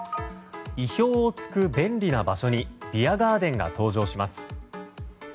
意表を突く便利な場所にビアガーデンが登場します。